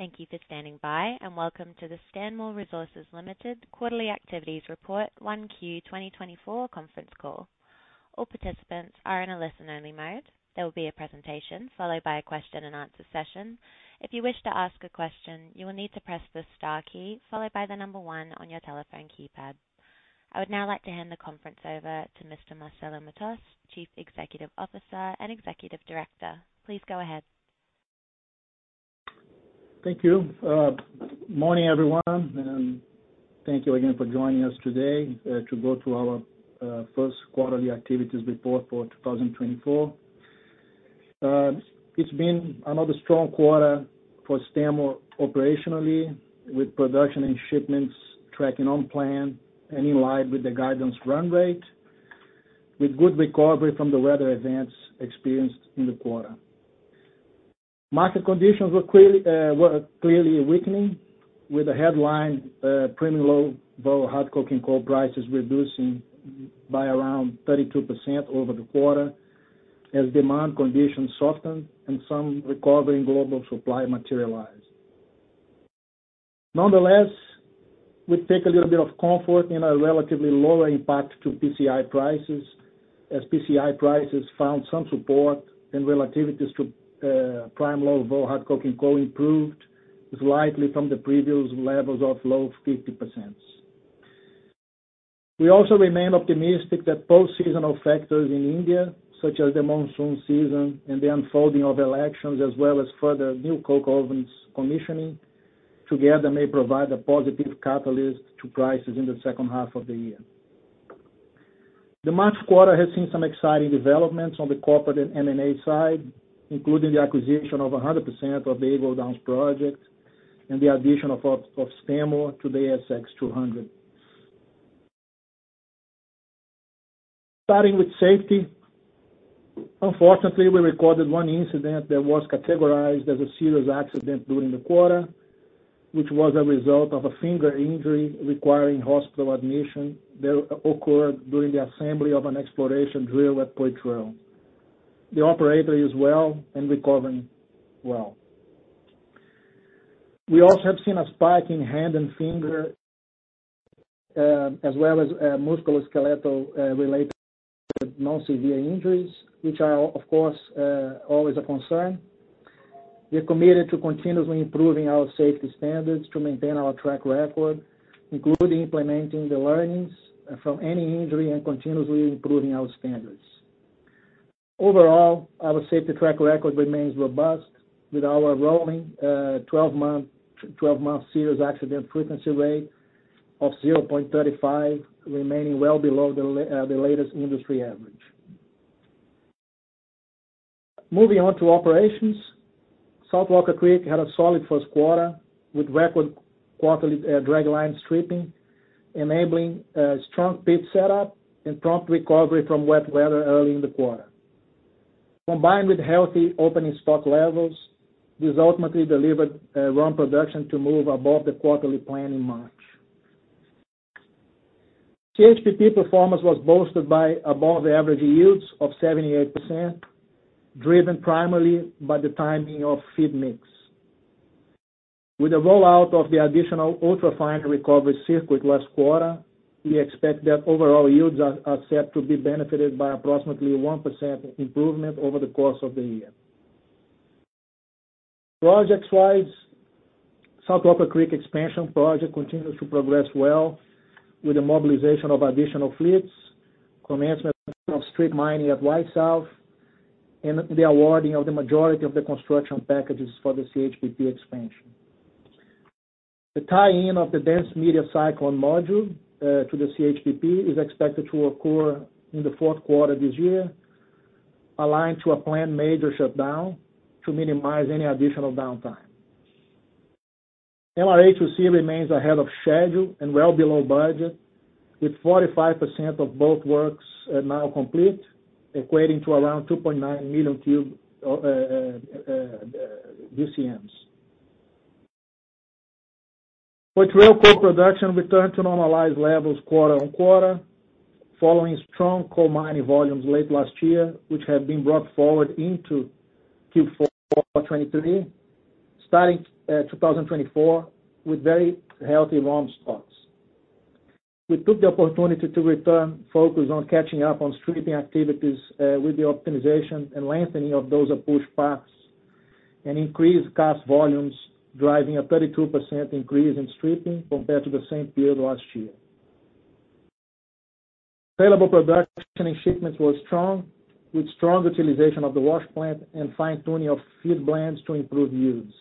Thank you for standing by and welcome to the Stanmore Resources Limited Quarterly Activities Report 1Q 2024 conference call. All participants are in a listen-only mode. There will be a presentation followed by a question-and-answer session. If you wish to ask a question, you will need to press the star key followed by the number 1 on your telephone keypad. I would now like to hand the conference over to Mr. Marcelo Matos, Chief Executive Officer and Executive Director. Please go ahead. Thank you. Morning, everyone, and thank you again for joining us today to go through our first Quarterly Activities Report for 2024. It's been another strong quarter for Stanmore operationally, with production and shipments tracking on plan and in line with the guidance run rate, with good recovery from the weather events experienced in the quarter. Market conditions were clearly weakening, with the headline "Premium Low Volatile Hard Coking Coal Prices Reducing" by around 32% over the quarter as demand conditions softened and some recovery in global supply materialized. Nonetheless, we take a little bit of comfort in a relatively lower impact to PCI prices, as PCI prices found some support and relativities to Premium Low Volatile Hard Coking Coal improved slightly from the previous levels of low 50%. We also remain optimistic that post-seasonal factors in India, such as the monsoon season and the unfolding of elections as well as further new coke ovens commissioning, together may provide a positive catalyst to prices in the second half of the year. The March quarter has seen some exciting developments on the corporate and M&A side, including the acquisition of 100% of the Eagle Downs project and the addition of Stanmore to the ASX 200. Starting with safety, unfortunately, we recorded one incident that was categorized as a serious accident during the quarter, which was a result of a finger injury requiring hospital admission that occurred during the assembly of an exploration drill at Poitrel. The operator is well and recovering well. We also have seen a spike in hand and finger as well as musculoskeletal-related non-severe injuries, which are, of course, always a concern. We are committed to continuously improving our safety standards to maintain our track record, including implementing the learnings from any injury and continuously improving our standards. Overall, our safety track record remains robust, with our rolling 12-month serious accident frequency rate of 0.35, remaining well below the latest industry average. Moving on to operations, South Walker Creek had a solid first quarter with record quarterly dragline stripping, enabling strong pit setup and prompt recovery from wet weather early in the quarter. Combined with healthy opening stock levels, this ultimately delivered raw production to move above the quarterly plan in March. CHPP performance was boosted by above-average yields of 78%, driven primarily by the timing of feed mix. With the rollout of the additional ultrafine recovery circuit last quarter, we expect that overall yields are set to be benefited by approximately 1% improvement over the course of the year. Projects-wise, South Walker Creek Expansion Project continues to progress well with the mobilization of additional fleets, commencement of strip mining at Y-South, and the awarding of the majority of the construction packages for the CHPP expansion. The tie-in of the dense media cyclone module to the CHPP is expected to occur in the fourth quarter this year, aligned to a planned major shutdown to minimize any additional downtime. MRA2C remains ahead of schedule and well below budget, with 45% of bulk works now complete, equating to around 2.9 million BCMs. Poitrel coal production returned to normalized levels quarter-over-quarter, following strong coal mining volumes late last year, which have been brought forward into Q4 2023 starting 2024 with very healthy ROM stocks. We took the opportunity to return focus on catching up on stripping activities with the optimization and lengthening of those pushbacks and increased cast volumes, driving a 32% increase in stripping compared to the same period last year. Saleable production and shipments were strong, with strong utilization of the wash plant and fine-tuning of feed blends to improve yields.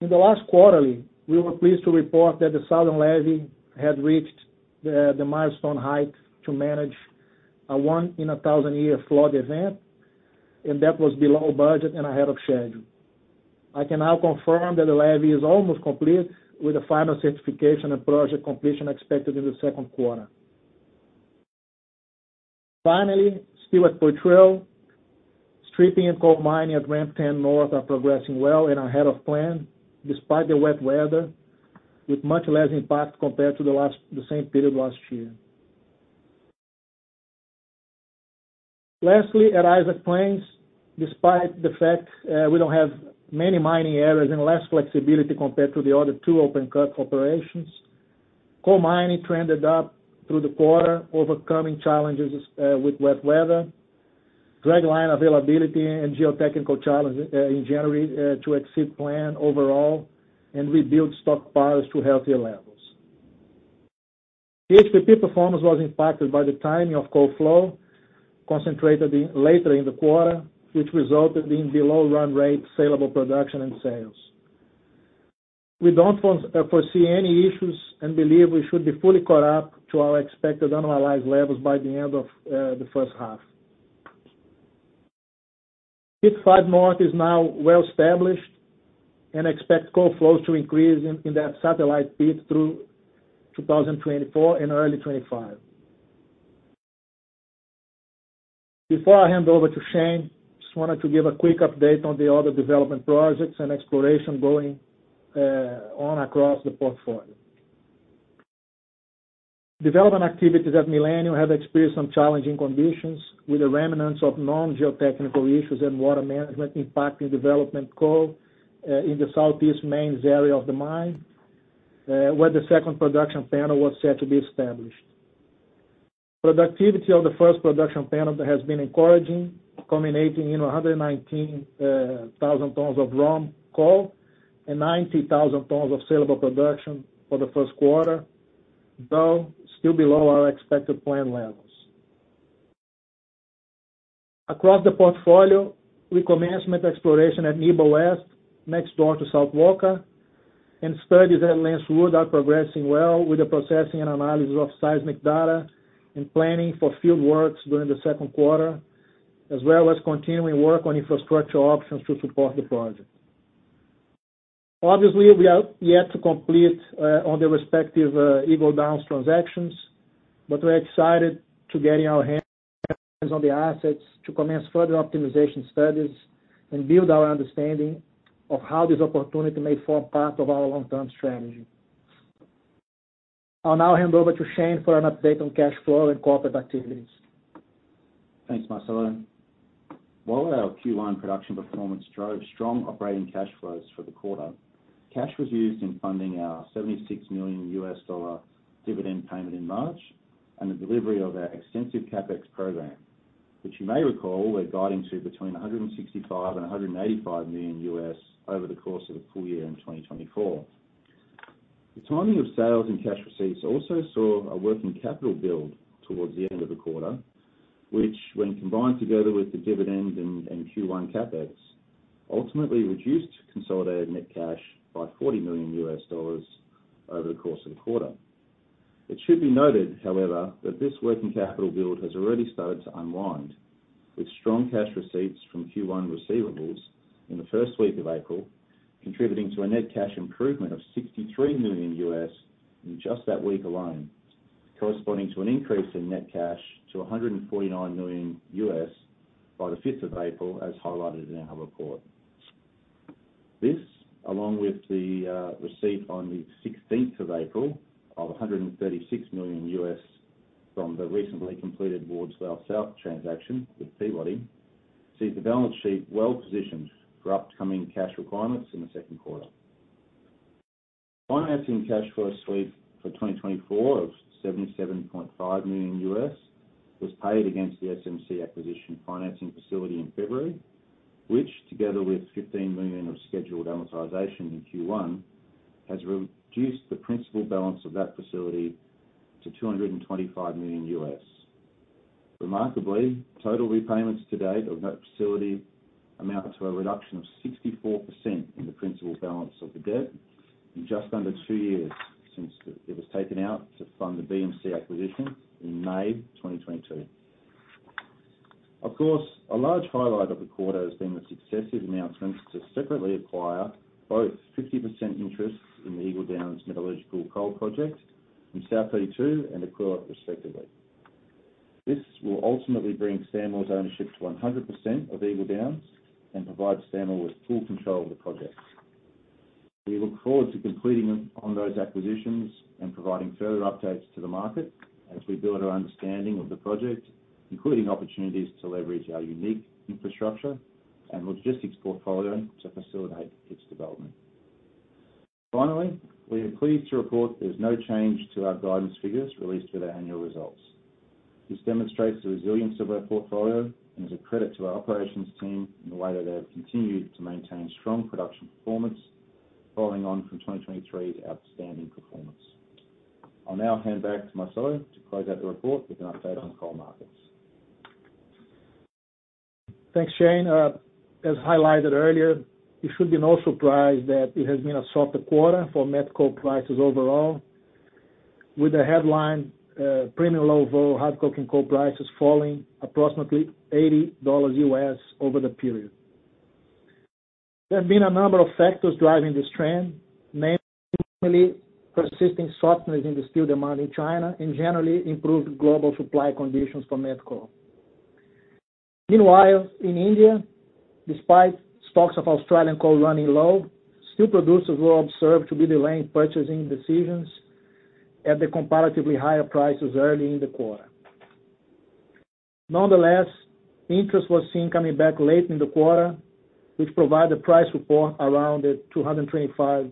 In the last quarterly, we were pleased to report that the Southern Levee had reached the milestone height to manage a one-in-a-thousand-year flood event, and that was below budget and ahead of schedule. I can now confirm that the Levee is almost complete, with the final certification and project completion expected in the second quarter. Finally, still at Poitrel, stripping and coal mining at Ramp 10 North are progressing well and ahead of plan despite the wet weather, with much less impact compared to the same period last year. Lastly, at Isaac Plains, despite the fact we don't have many mining areas and less flexibility compared to the other two open-cut operations, coal mining trended up through the quarter, overcoming challenges with wet weather, dragline availability, and geotechnical challenge in January to exceed plan overall and rebuild stockpiles to healthier levels. CHPP performance was impacted by the timing of coal flow concentrated later in the quarter, which resulted in below-run rate saleable production and sales. We don't foresee any issues and believe we should be fully caught up to our expected annualized levels by the end of the first half. Pit 5 North is now well established, and expect coal flows to increase in that satellite pit through 2024 and early 2025. Before I hand over to Shane, just wanted to give a quick update on the other development projects and exploration going on across the portfolio. Development activities at Millennium have experienced some challenging conditions, with the remnants of non-geotechnical issues and water management impacting development coal in the southeast mains area of the mine, where the second production panel was set to be established. Productivity of the first production panel has been encouraging, culminating in 119,000 tons of raw coal and 90,000 tons of saleable production for the first quarter, though still below our expected plan levels. Across the portfolio, recommencement exploration at Nebo West, next door to South Walker, and studies at Lancewood are progressing well with the processing and analysis of seismic data and planning for field works during the second quarter, as well as continuing work on infrastructure options to support the project. Obviously, we are yet to complete on the respective Eagle Downs transactions, but we are excited to get our hands on the assets to commence further optimization studies and build our understanding of how this opportunity may form part of our long-term strategy. I'll now hand over to Shane for an update on cash flow and corporate activities. Thanks, Marcelo. While our Q1 production performance drove strong operating cash flows for the quarter, cash was used in funding our $76 million dividend payment in March and the delivery of our extensive CapEx program, which you may recall were guiding to between $165-$185 million over the course of the full year in 2024. The timing of sales and cash receipts also saw a working capital build towards the end of the quarter, which, when combined together with the dividend and Q1 CapEx, ultimately reduced consolidated net cash by $40 million over the course of the quarter. It should be noted, however, that this working capital build has already started to unwind, with strong cash receipts from Q1 receivables in the first week of April contributing to a net cash improvement of $63 million in just that week alone, corresponding to an increase in net cash to $149 million by the 5th of April, as highlighted in our report. This, along with the receipt on the 16th of April of $136 million from the recently completed Wards Well South transaction with Peabody, sees the balance sheet well positioned for upcoming cash requirements in the second quarter. Financing cash flow sweep for 2024 of $77.5 million was paid against the SMC acquisition financing facility in February, which, together with $15 million of scheduled amortization in Q1, has reduced the principal balance of that facility to $225 million. Remarkably, total repayments to date of that facility amount to a reduction of 64% in the principal balance of the debt in just under two years since it was taken out to fund the BMC acquisition in May 2022. Of course, a large highlight of the quarter has been the successive announcements to separately acquire both 50% interests in the Eagle Downs metallurgical coal project from South32 and Aquila, respectively. This will ultimately bring Stanmore's ownership to 100% of Eagle Downs and provide Stanmore with full control of the project. We look forward to completing on those acquisitions and providing further updates to the market as we build our understanding of the project, including opportunities to leverage our unique infrastructure and logistics portfolio to facilitate its development. Finally, we are pleased to report there's no change to our guidance figures released for the annual results. This demonstrates the resilience of our portfolio and is a credit to our operations team in the way that they have continued to maintain strong production performance following on from 2023's outstanding performance. I'll now hand back to Marcelo to close out the report with an update on coal markets. Thanks, Shane. As highlighted earlier, it should be no surprise that it has been a softer quarter for met coal prices overall, with the headline "Premium Low Volatile Hard Coking Coal Prices Falling" approximately $80 over the period. There have been a number of factors driving this trend, namely persisting softness in the steel demand in China and generally improved global supply conditions for met coal. Meanwhile, in India, despite stocks of Australian coal running low, steel producers were observed to be delaying purchasing decisions at the comparatively higher prices early in the quarter. Nonetheless, interest was seen coming back late in the quarter, which provided price support around the $225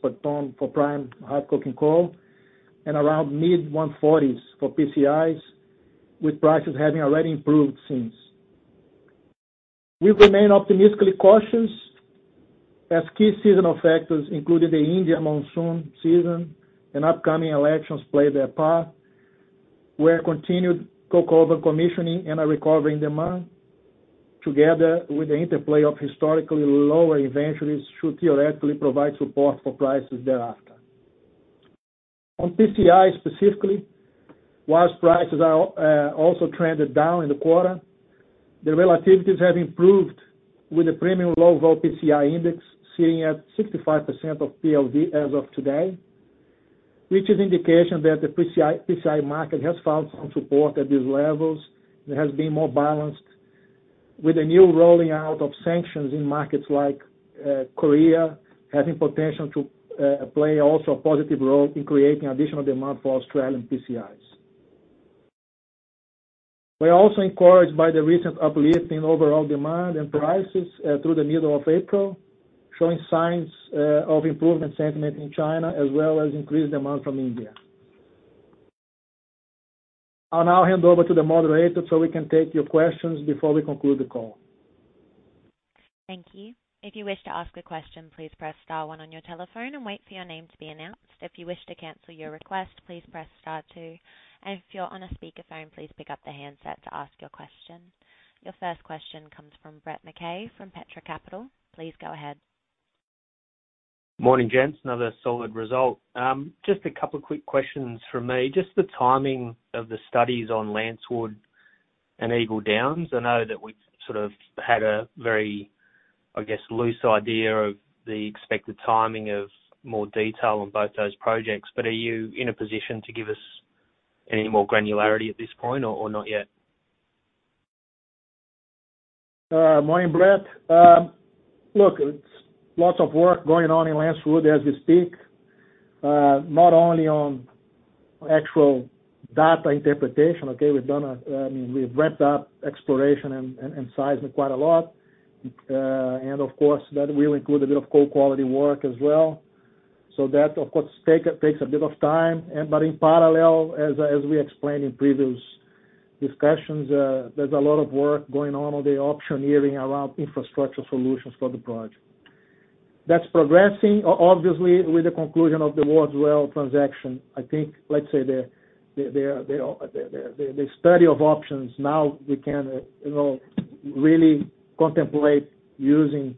per ton for prime hard coking coal and around mid-140s for PCIs, with prices having already improved since. We remain optimistically cautious as key seasonal factors, including the India monsoon season and upcoming elections, play their part, where continued coal consumption and a recovering demand, together with the interplay of historically lower inventories, should theoretically provide support for prices thereafter. On PCI specifically, while prices are also trended down in the quarter, the relativities have improved with the Premium Low Volatile PCI index sitting at 65% of PLV as of today, which is an indication that the PCI market has found some support at these levels and has been more balanced, with the new rolling out of sanctions in markets like Korea having potential to play also a positive role in creating additional demand for Australian PCIs. We are also encouraged by the recent uplift in overall demand and prices through the middle of April, showing signs of improvement sentiment in China as well as increased demand from India. I'll now hand over to the moderator so we can take your questions before we conclude the call. Thank you. If you wish to ask a question, please press star one on your telephone and wait for your name to be announced. If you wish to cancel your request, please press star two. And if you're on a speakerphone, please pick up the handset to ask your question. Your first question comes from Brett McKay from Petra Capital. Please go ahead. Morning, Gents. Another solid result. Just a couple of quick questions from me. Just the timing of the studies on Lancewood and Eagle Downs. I know that we've sort of had a very, I guess, loose idea of the expected timing of more detail on both those projects. But are you in a position to give us any more granularity at this point or not yet? Morning, Brett. Look, it's lots of work going on in Lancewood as we speak, not only on actual data interpretation, okay? We've done. I mean, we've ramped up exploration and seismic quite a lot. And of course, that will include a bit of coal quality work as well. So that, of course, takes a bit of time. But in parallel, as we explained in previous discussions, there's a lot of work going on on the optioneering around infrastructure solutions for the project. That's progressing, obviously, with the conclusion of the Wards Well transaction. I think, let's say, the study of options, now we can really contemplate using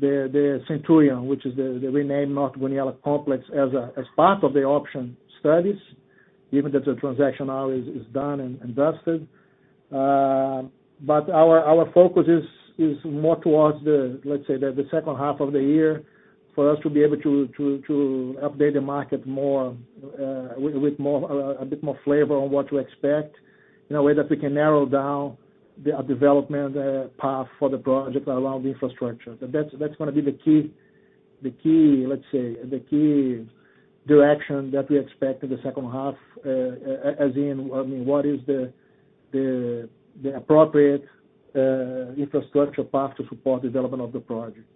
the Centurion, which is the renamed North Goonyella complex, as part of the option studies, given that the transaction now is done and dusted. But our focus is more towards the, let's say, the second half of the year for us to be able to update the market with a bit more flavor on what to expect in a way that we can narrow down the development path for the project around the infrastructure. That's going to be the key let's say, the key direction that we expect in the second half, as in, I mean, what is the appropriate infrastructure path to support development of the project.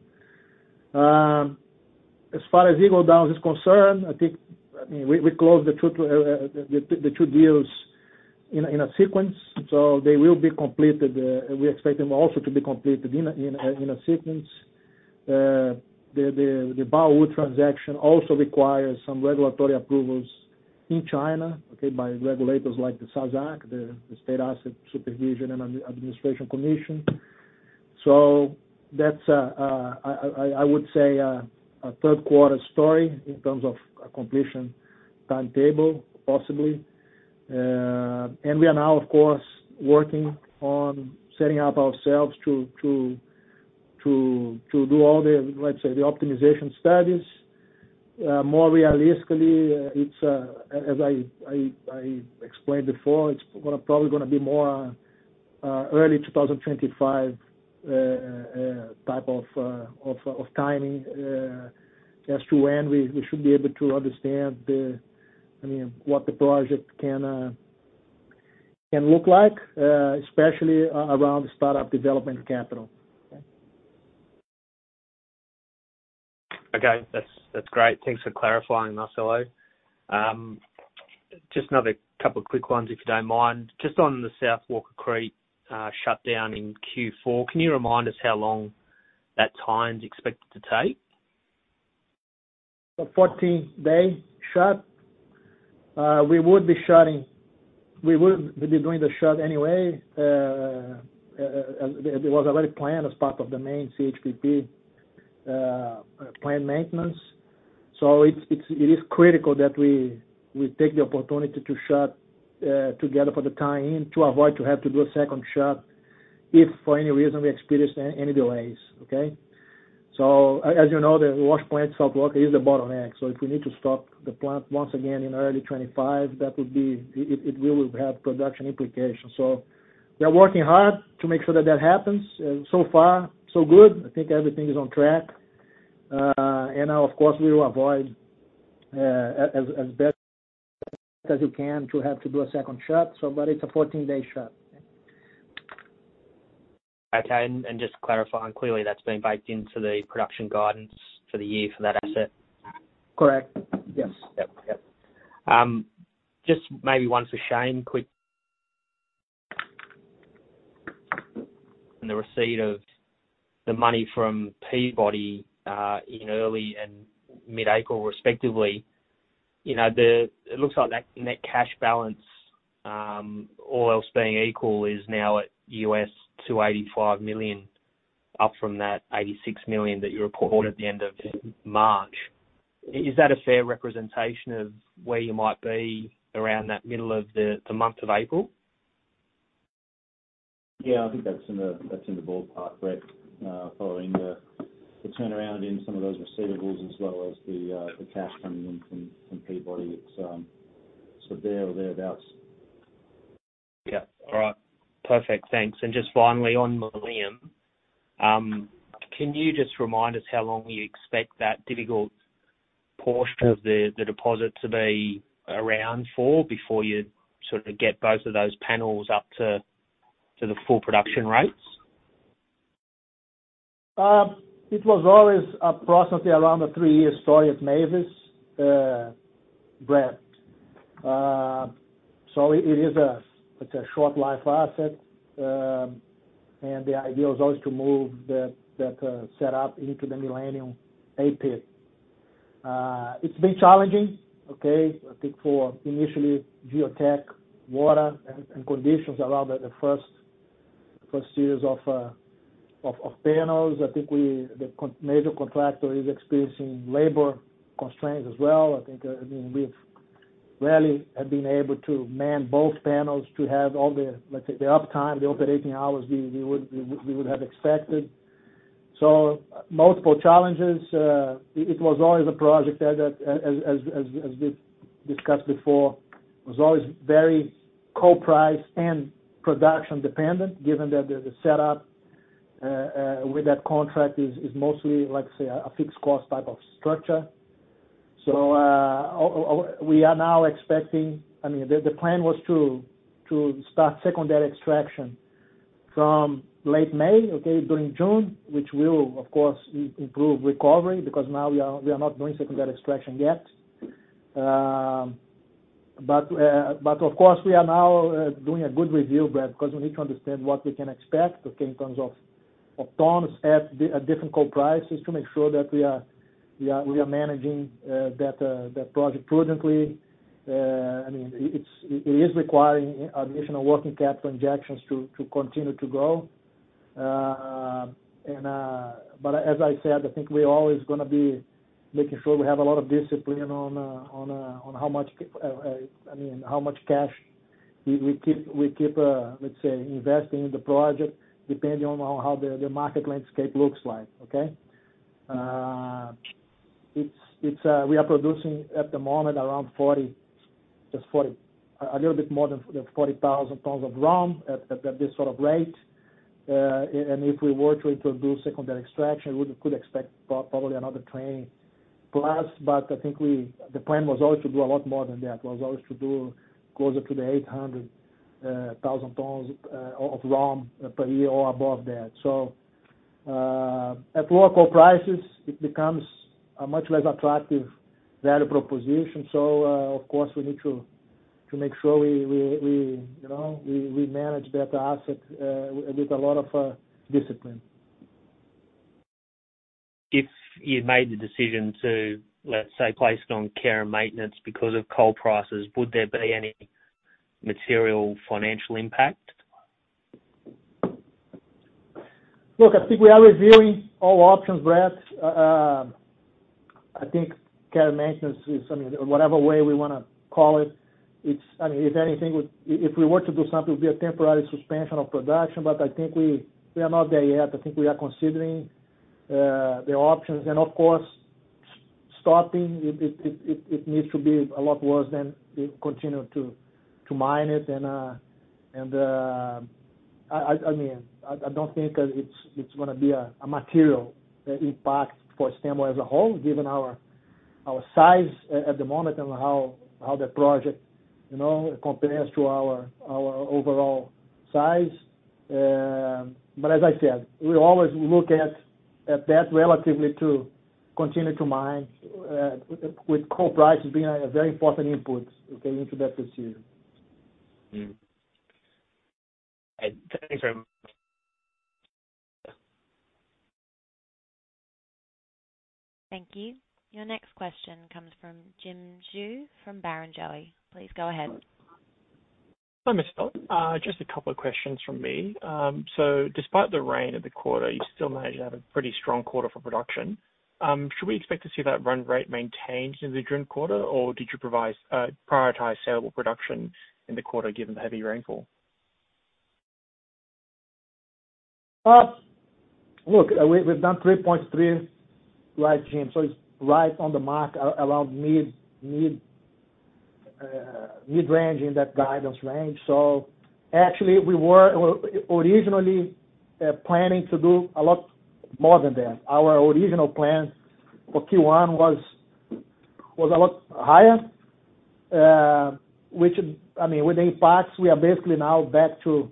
As far as Eagle Downs is concerned, I think, I mean, we closed the two deals in a sequence. So they will be completed. We expect them also to be completed in a sequence. The Baowu transaction also requires some regulatory approvals in China, okay, by regulators like the SASAC, the State-owned Assets Supervision and Administration Commission. So that's, I would say, a third quarter story in terms of a completion timetable, possibly. And we are now, of course, working on setting up ourselves to do all the, let's say, the optimization studies. More realistically, it's, as I explained before, probably going to be more early 2025 type of timing as to when we should be able to understand, I mean, what the project can look like, especially around startup development capital, okay? Okay. That's great. Thanks for clarifying, Marcelo. Just another couple of quick ones, if you don't mind. Just on the South Walker Creek shutdown in Q4, can you remind us how long that time is expected to take? A 14-day shut. We would be shutting we would be doing the shut anyway. It was already planned as part of the main CHPP plan maintenance. So it is critical that we take the opportunity to shut together for the time in to avoid to have to do a second shut if, for any reason, we experience any delays, okay? So as you know, the wash plant at South Walker is the bottleneck. So if we need to stop the plant once again in early 2025, that would be it will have production implications. So we are working hard to make sure that that happens. So far, so good. I think everything is on track. And now, of course, we will avoid, as best as you can, to have to do a second shut. But it's a 14-day shut, okay? Okay. Just clarifying, clearly, that's being baked into the production guidance for the year for that asset? Correct. Yes. Yep. Yep. Just maybe one for Shane, quick. The receipt of the money from Peabody in early and mid-April, respectively, it looks like that net cash balance, all else being equal, is now at $285 million, up from that $86 million that you reported at the end of March. Is that a fair representation of where you might be around that middle of the month of April? Yeah. I think that's in the ballpark, Brett, following the turnaround in some of those receivables as well as the cash coming in from Peabody. It's sort of there or thereabouts. Yep. All right. Perfect. Thanks. And just finally, on Millennium, can you just remind us how long you expect that difficult portion of the deposit to be around for before you sort of get both of those panels up to the full production rates? It was always approximately around a three-year story at Mavis, Brett. So it is a short-life asset. The idea was always to move that setup into the Millennium A-Pit. It's been challenging, okay, I think, for initially geotech, water, and conditions around the first series of panels. I think the major contractor is experiencing labor constraints as well. I think, I mean, we've rarely have been able to man both panels to have all the, let's say, the uptime, the operating hours we would have expected. Multiple challenges. It was always a project that, as we've discussed before, was always very cost, priced and production-dependent, given that the setup with that contract is mostly, let's say, a fixed-cost type of structure. So we are now expecting—I mean, the plan was to start secondary extraction from late May, okay, during June, which will, of course, improve recovery because now we are not doing secondary extraction yet. But of course, we are now doing a good review, Brett, because we need to understand what we can expect, okay, in terms of tons at different coal prices to make sure that we are managing that project prudently. I mean, it is requiring additional working capital injections to continue to grow. But as I said, I think we're always going to be making sure we have a lot of discipline on how much—I mean, how much cash we keep, let's say, investing in the project depending on how the market landscape looks like, okay? We are producing at the moment around 40, just 40, a little bit more than 40,000 tons of ROM at this sort of rate. If we were to introduce secondary extraction, we could expect probably another 20+. But I think the plan was always to do a lot more than that. It was always to do closer to the 800,000 tons of ROM per year or above that. At lower coal prices, it becomes a much less attractive value proposition. Of course, we need to make sure we manage that asset with a lot of discipline. If you made the decision to, let's say, place it on care and maintenance because of coal prices, would there be any material financial impact? Look, I think we are reviewing all options, Brett. I think care and maintenance is, I mean, whatever way we want to call it, it's I mean, if anything, if we were to do something, it would be a temporary suspension of production. But I think we are not there yet. I think we are considering the options. And of course, stopping, it needs to be a lot worse than continue to mine it. And I mean, I don't think it's going to be a material impact for Stanmore as a whole, given our size at the moment and how the project compares to our overall size. But as I said, we always look at that relatively to continue to mine, with coal prices being a very important input, okay, into that decision. Thanks very much. Thank you. Your next question comes from Jim Zhu from Barrenjoey. Please go ahead. Hi, Marcelo. Just a couple of questions from me. Despite the rain in the quarter, you still managed to have a pretty strong quarter for production. Should we expect to see that run rate maintained in the June quarter, or did you prioritize saleable production in the quarter given the heavy rainfall? Well, look, we've done 3.3, right, Jim? So it's right on the mark around mid-range in that guidance range. So actually, we were originally planning to do a lot more than that. Our original plan for Q1 was a lot higher, which I mean, with the impacts, we are basically now back to,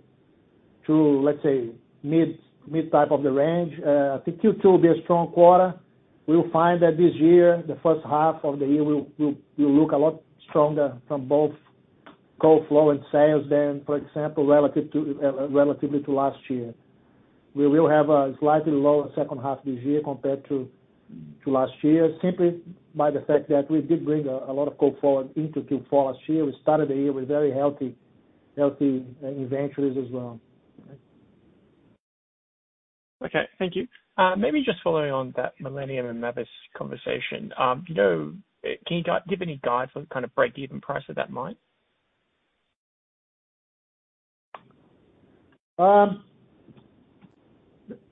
let's say, mid-type of the range. I think Q2 will be a strong quarter. We'll find that this year, the first half of the year, we'll look a lot stronger from both coal flow and sales than, for example, relatively to last year. We will have a slightly lower second half this year compared to last year, simply by the fact that we did bring a lot of coal forward into Q4 last year. We started the year with very healthy inventories as well, okay? Okay. Thank you. Maybe just following on that Millennium and Mavis conversation, can you give any guides on kind of break-even price that that might?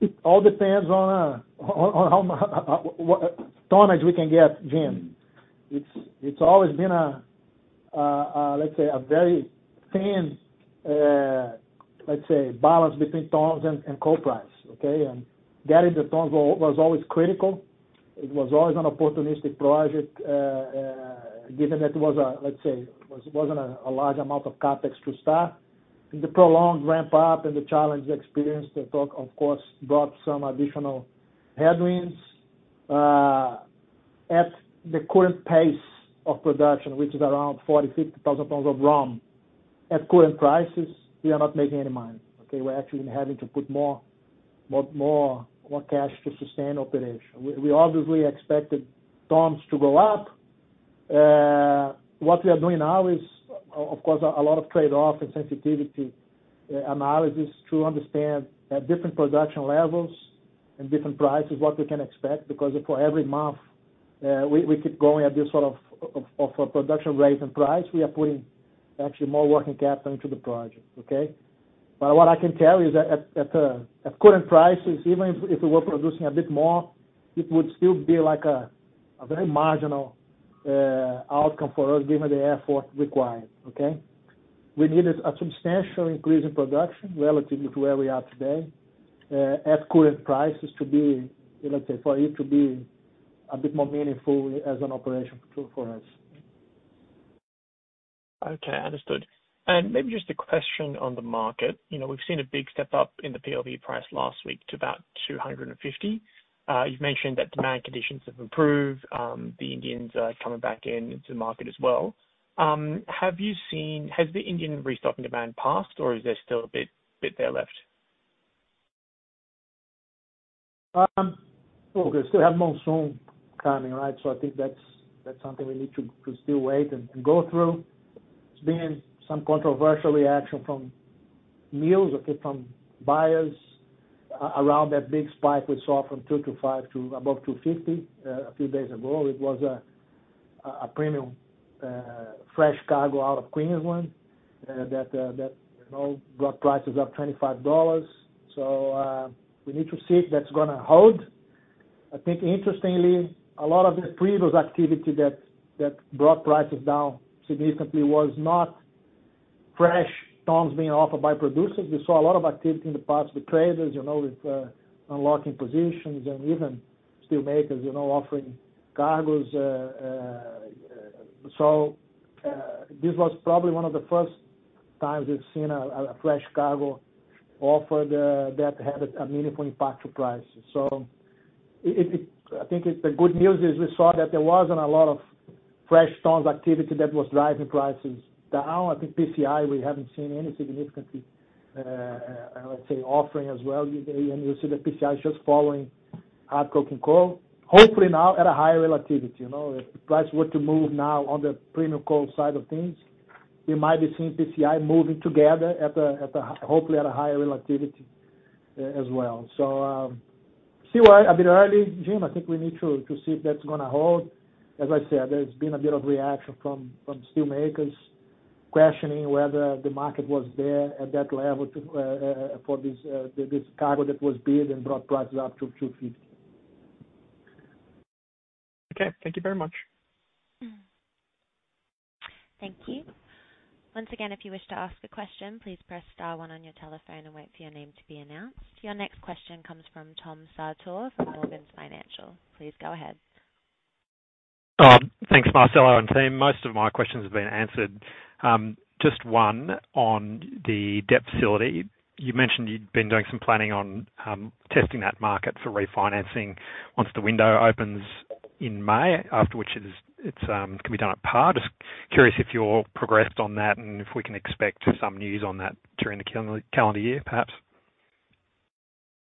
It all depends on how much tonnage we can get, Jim. It's always been a, let's say, a very thin, let's say, balance between tons and coal price, okay? Getting the tons was always critical. It was always an opportunistic project, given that it was a, let's say, it wasn't a large amount of CAPEX to start. The prolonged ramp-up and the challenge experience, of course, brought some additional headwinds. At the current pace of production, which is around 40,000-50,000 tons of ROM at current prices, we are not making any money, okay? We're actually having to put more cash to sustain operation. We obviously expected tons to go up. What we are doing now is, of course, a lot of trade-off and sensitivity analysis to understand at different production levels and different prices what we can expect because for every month, we keep going at this sort of production rate and price. We are putting actually more working capital into the project, okay? But what I can tell you is that at current prices, even if we were producing a bit more, it would still be like a very marginal outcome for us, given the effort required, okay? We need a substantial increase in production relatively to where we are today at current prices to be, let's say, for it to be a bit more meaningful as an operation for us, okay? Okay. Understood. And maybe just a question on the market. We've seen a big step up in the PLV price last week to about $250. You've mentioned that demand conditions have improved. The Indians are coming back into the market as well. Have you seen has the Indian restocking demand passed, or is there still a bit there left? Oh, good. Still have monsoon coming, right? So I think that's something we need to still wait and go through. There's been some controversial reaction from mills, okay, from buyers around that big spike we saw from 225 to above 250 a few days ago. It was a premium fresh cargo out of Queensland that brought prices up $25. So we need to see if that's going to hold. I think, interestingly, a lot of the previous activity that brought prices down significantly was not fresh tons being offered by producers. We saw a lot of activity in the past with traders, with unlocking positions, and even steelmakers offering cargoes. So this was probably one of the first times we've seen a fresh cargo offered that had a meaningful impact to prices. So I think the good news is we saw that there wasn't a lot of fresh tons activity that was driving prices down. I think PCI, we haven't seen any significantly, let's say, offering as well. And you'll see that PCI is just following hard coking coal, hopefully now at a higher relativity. If price were to move now on the premium coal side of things, we might be seeing PCI moving together, hopefully at a higher relativity as well. So still a bit early, Jim. I think we need to see if that's going to hold. As I said, there's been a bit of reaction from steelmakers questioning whether the market was there at that level for this cargo that was bid and brought prices up to $250. Okay. Thank you very much. Thank you. Once again, if you wish to ask a question, please press star one on your telephone and wait for your name to be announced. Your next question comes from Tom Sartor from Morgans Financial. Please go ahead. Thanks, Marcelo. And Shane, most of my questions have been answered. Just one on the debt facility. You mentioned you'd been doing some planning on testing that market for refinancing once the window opens in May, after which it can be done at par. Just curious if you've progressed on that and if we can expect some news on that during the calendar year, perhaps?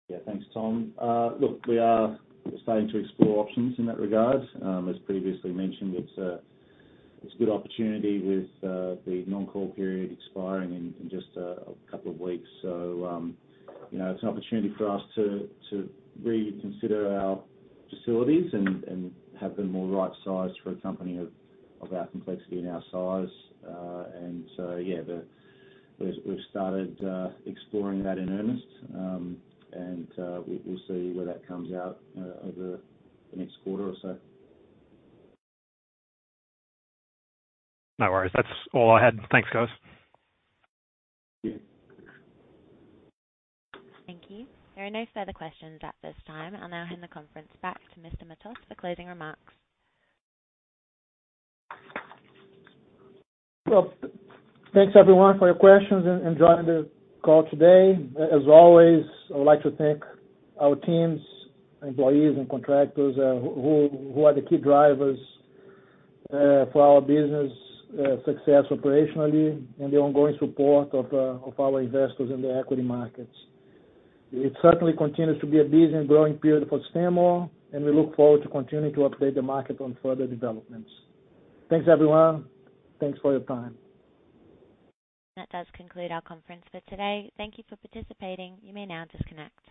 Yeah. Thanks, Tom. Look, we are starting to explore options in that regard. As previously mentioned, it's a good opportunity with the non-call period expiring in just a couple of weeks. So it's an opportunity for us to reconsider our facilities and have them more right-sized for a company of our complexity and our size. And so yeah, we've started exploring that in earnest. And we'll see where that comes out over the next quarter or so. No worries. That's all I had. Thanks, guys. Thank you. There are no further questions at this time. I'll now hand the conference back to Mr. Matos for closing remarks. Well, thanks, everyone, for your questions and joining the call today. As always, I would like to thank our teams, employees, and contractors who are the key drivers for our business success operationally and the ongoing support of our investors in the equity markets. It certainly continues to be a busy and growing period for Stanmore, and we look forward to continuing to update the market on further developments. Thanks, everyone. Thanks for your time. That does conclude our conference for today. Thank you for participating. You may now disconnect.